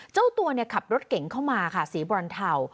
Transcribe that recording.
เจ้าตัวขับรถเก่งเข้ามาค่ะสีบรอนเทา